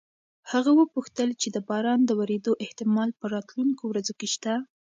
هغه وپوښتل چې د باران د ورېدو احتمال په راتلونکو ورځو کې شته؟